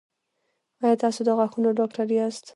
ایا تاسو د غاښونو ډاکټر یاست؟